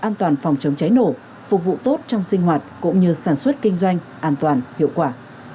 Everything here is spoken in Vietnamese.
an toàn phòng chống cháy nổ phục vụ tốt trong sinh hoạt cũng như sản xuất kinh doanh an toàn hiệu quả